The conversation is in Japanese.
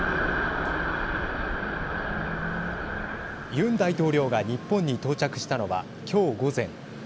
ユン大統領が日本に到着したのは今日午前。